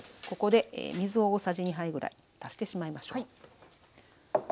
ここで水を大さじ２杯ぐらい足してしまいましょう。